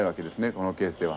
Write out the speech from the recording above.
このケースでは。